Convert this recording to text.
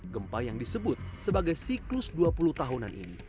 gempa yang disebut sebagai siklus dua puluh tahunan ini